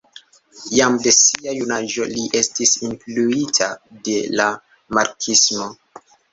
Jam de sia junaĝo li estis influita de la marksismo.